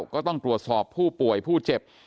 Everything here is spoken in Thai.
ก็ต้องตรวจสอบผู้ป่วยผู้เจ็บ